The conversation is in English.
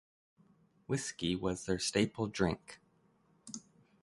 Whiskey was their staple drink.